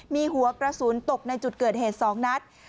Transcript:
มีหัวกระสุนตกในจุดเกิดเหตุ๒นัด